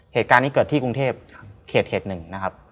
เหตุการณ์นี้เกิดที่กรุงเทพเขต๑นะครับ